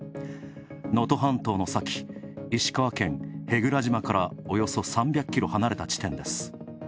能登半島の先、石川県へぐら島からおよそ３００キロ離れた地点です。